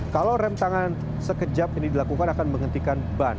kalau rem tangan sekejap ini dilakukan akan menghentikan ban